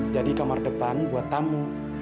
jadi kamar depan buat tamu